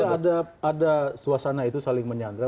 saya kira ada suasana itu saling menyadara